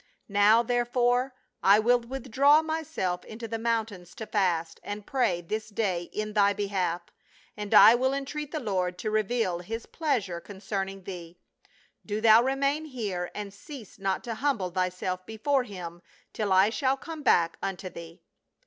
Now, therefore, I will withdraw myself into the mountains to fast and pray this day in thy behalf, and I will entreat the Lord to reveal his pleasure con cerning thee. Do thou remain here and cease not to humble thyself before him till I shall come back unto thee."